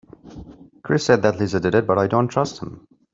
Chris said that Lisa did it but I don’t trust him.